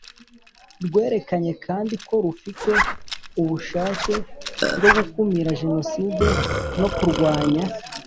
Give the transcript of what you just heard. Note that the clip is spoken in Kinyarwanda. Rwerekanye kandi ko rufite ubushake bwo gukumira Jenoside no kurwanya